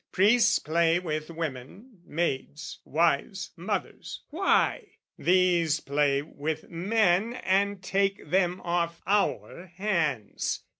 "Priests play with women, maids, wives, mothers, why? "These play with men and take them off our hands.